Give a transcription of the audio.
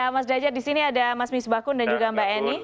mas dajar di sini ada mas misbakun dan juga mbak eni